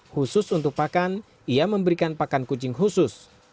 khusus untuk pakan ia memberikan pakan kucing khusus